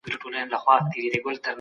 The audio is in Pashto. د کندهار صنعت د خلګو ژوند څنګه بدلوي؟